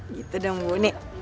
gitu dong bu nih